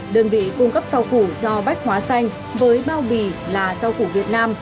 đơn vị cung cấp rau củ cho bách hóa xanh với bao bì là rau củ việt nam